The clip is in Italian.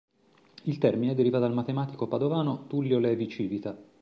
Il termine deriva dal matematico padovano Tullio Levi Civita.